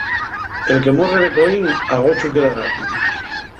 El que nun muerre de coín, a gochu llegará.